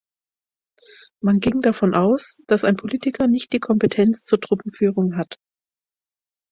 Man ging davon aus, dass ein Politiker nicht die Kompetenz zur Truppenführung hat.